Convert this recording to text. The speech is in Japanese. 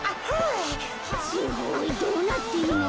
すごいどうなってるの？